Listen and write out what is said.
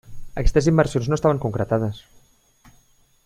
Aquestes inversions no estaven concretades.